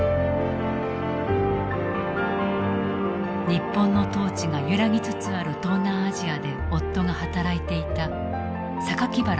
日本の統治が揺らぎつつある東南アジアで夫が働いていた原喜佐子。